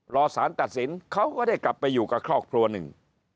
รอสารตัดสินเขาก็ได้กลับไปอยู่กับครอบครัวหนึ่ง